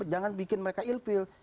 jangan bikin mereka ilfil